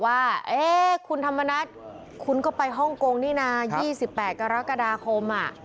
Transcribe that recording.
ว่าหา่คุณทำบันดิ่งก็ไปฮ่องกงนี่น่า๒๘กรกดาคม